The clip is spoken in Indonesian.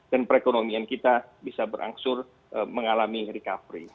dan perekonomian kita bisa berangsur mengalami recovery